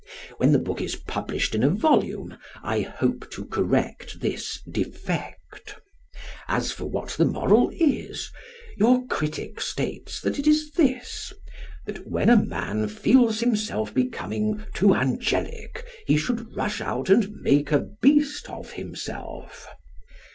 When the book is published in a volume I hope to correct this defect. As for what the moral is, your critic states that it is this that when a man feels himself becoming "too angelic" he should rush out and make a "beast of himself."